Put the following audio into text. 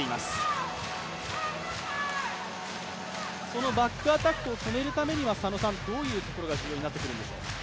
そのバックアタックを止めるためにはどういうところが重要になってくるんでしょうか。